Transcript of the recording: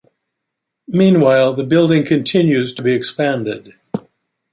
Meanwhile, the building continues to be expanded.